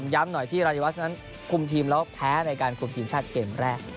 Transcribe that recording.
หน่อยที่รายวัชนั้นคุมทีมแล้วแพ้ในการคุมทีมชาติเกมแรก